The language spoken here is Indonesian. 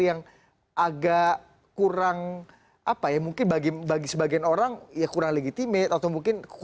yang agak kurang apa ya mungkin bagi bagi sebagian orang ya kurang legitimet atau mungkin kurang legitimet